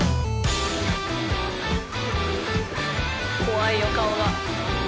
怖いよ顔が。